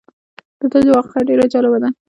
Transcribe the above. دده واقعه ډېره جالبه ده.